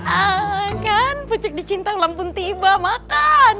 ah kan pucuk di cinta lumpun tiba makan